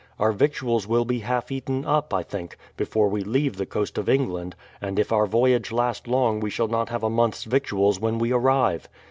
Our victuals will be half eaten up, I think, before wo leave the coast of England, and if our voyage last long we shall not have a month's victuals when we arrive.